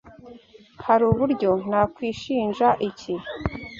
Hari uburyo nakwishinja iki?